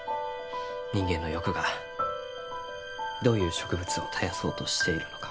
人間の欲がどういう植物を絶やそうとしているのか